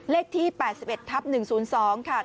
เลขที่๘๑ทับ๑๐๒ค่ะ